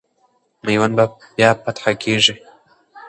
میوند به بیا فتح کېږي.